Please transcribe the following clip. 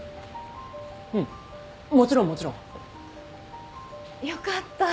うんもちろんもちろん！よかった。